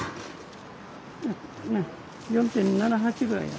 ４．７８ぐらい。